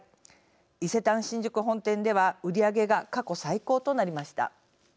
伊勢丹新宿本店では売り上げが過去最高となりました。